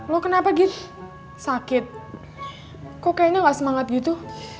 lo kenapa gita sakit kok kayaknya nggak semangat gitu